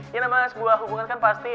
ya namanya sebuah hubungan kan pasti